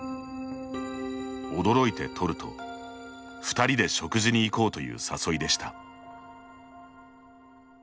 驚いて取ると「２人で食事に行こう」という誘いでした。